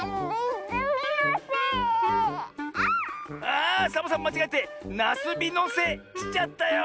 あサボさんまちがえて「なすびのせ」しちゃったよ！